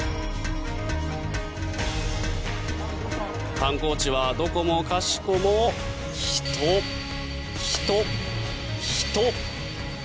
観光地はどこもかしこも人、人、人。